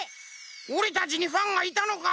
おれたちにファンがいたのか？